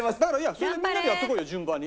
それでみんなでやっていこうよ順番に。